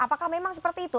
apakah memang seperti itu